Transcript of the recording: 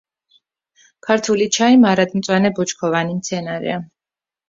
ქართული ჩაი მარადმწვანე ბუჩქოვანი მცენარეა.